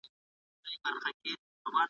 هغه په خوني کي ناست وو او کتاب يې لولی.